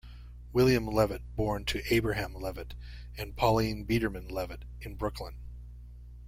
William Levitt born to Abraham Levitt and Pauline Biederman Levitt in Brooklyn.